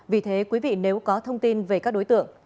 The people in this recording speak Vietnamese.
vì thế quý vị nếu có thông tin về các đối tượng